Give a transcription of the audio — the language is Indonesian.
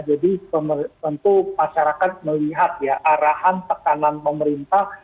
jadi tentu masyarakat melihat ya arahan tekanan pemerintah